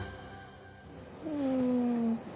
うん。